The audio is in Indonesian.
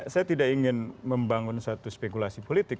saya tidak ingin membangun suatu spekulasi politik